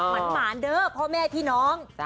หมานเด้อพ่อแม่พี่น้อง